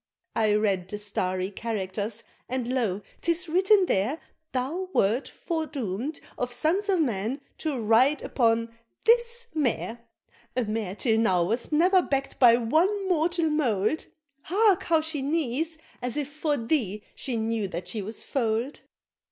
I read the starry characters and lo! 'tis written there, Thou wert foredoom'd of sons of men to ride upon this Mare, A Mare till now was never back'd by one of mortal mould, Hark, how she neighs, as if for thee she knew that she was foal'd!"